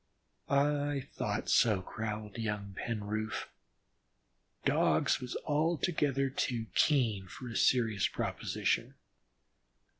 "I thought so," growled young Penroof. "Dogs was altogether too keen for a serious proposition.